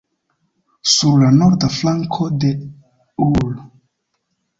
Sur la norda flanko de ul.